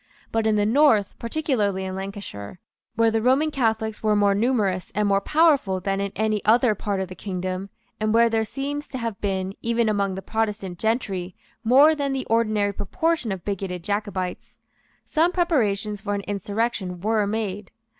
But in the north, particularly in Lancashire, where the Roman Catholics were more numerous and more powerful than in any other part of the kingdom, and where there seems to have been, even among the Protestant gentry, more than the ordinary proportion of bigoted Jacobites, some preparations for an insurrection were made.